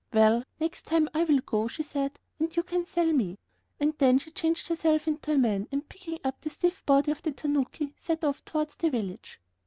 "Well, next time I will go," she said, "and you can sell me." And then she changed herself into a man, and picking up the stiff body of the tanuki, set off towards the village.